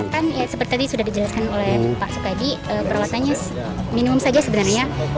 kan seperti tadi sudah dijelaskan oleh pak sukadi perawatannya minimum saja sebenarnya